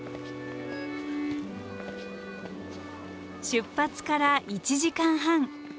出発から１時間半。